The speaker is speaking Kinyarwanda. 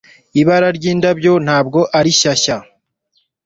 ibara ry'indabyo ntabwo ari shyashya